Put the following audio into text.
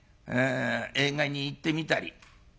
映画に行ってみたり。